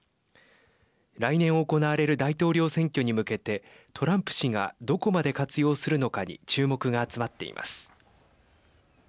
来年行われる大統領選挙に向けてトランプ氏がどこまで活用するのかに注目が集まっています。